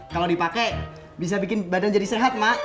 kalau dipakai bisa bikin badan jadi sehat mak